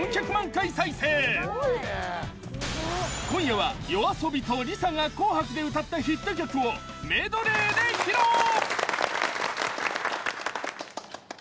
今夜はＹＯＡＳＯＢＩとＬｉＳＡが「紅白」で歌ったヒット曲をメドレーで披露！